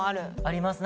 あります。